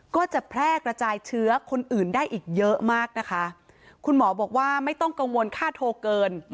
ก็จะแพร่กระจายเชื้อคนอื่นได้อีกเยอะมากนะคะคุณหมอบอกว่าไม่ต้องกังวลค่าโทรเกิน